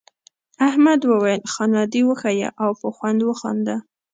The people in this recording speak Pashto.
احمد وویل خان عادي وښیه او په خوند وخانده.